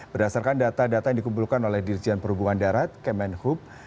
berdasarkan data data yang dikumpulkan oleh dirjen perhubungan darat kemenhub